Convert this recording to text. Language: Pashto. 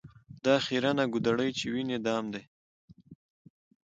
دا خیرنه ګودړۍ چي وینې دام دی